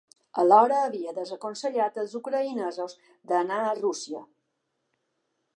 Alhora havia desaconsellat els ucraïnesos d’anar a Rússia.